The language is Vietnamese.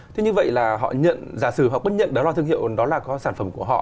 thế như vậy là họ nhận giả sử hoặc bất nhận đó là thương hiệu đó là có sản phẩm của họ